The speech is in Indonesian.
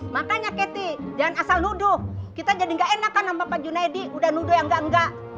makanya ketty jangan asal nuduh kita jadi gak enak kan sama pak junaidi udah nuduh yang gak enggak